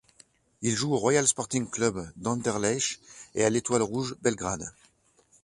Il joue au Royal Sporting Club d'Anderlecht et à l'Étoile Rouge Belgrade.